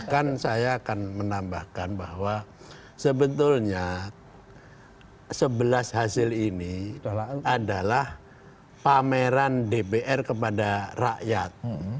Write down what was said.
dan saya akan menambahkan bahwa sebetulnya sebelas hasil ini adalah pameran dpr kepada rakyat